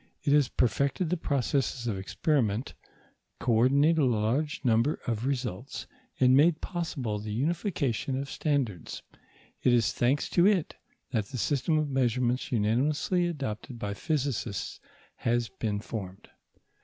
It has perfected the processes of experiment, co ordinated a large number of results, and made possible the unification of standards. It is thanks to it that the system of measurements unanimously adopted by physicists has been formed.